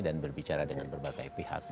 dan berbicara dengan berbagai pihak